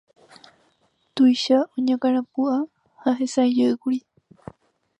Tuicha oñakãrapu'ã ha hesãijeýkuri.